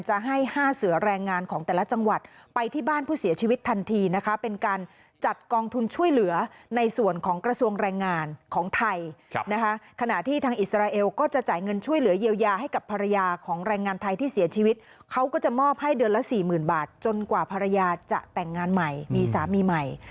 จนกว่าภรรยาจะแต่งงานใหม่มีสามีใหม่